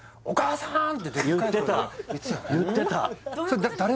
お母さん？